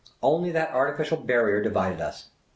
Only that arti ficial barrier divided us.